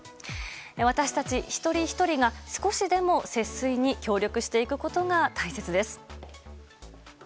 私たち一人ひとりが少しでも節水に協力していくことが大切です。